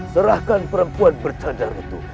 serahkan perempuan bercanda rutu